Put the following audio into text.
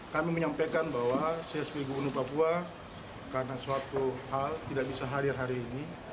kami menyampaikan bahwa saya sebagai gubernur papua karena suatu hal tidak bisa hadir hari ini